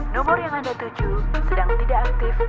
nomor yang ada tujuh sedang tidak aktif